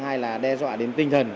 hay là đe dọa đến tinh thần